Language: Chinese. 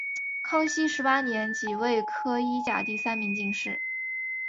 康熙十八年己未科一甲第三名进士。